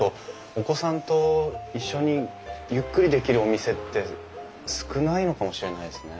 お子さんと一緒にゆっくりできるお店って少ないのかもしれないですね。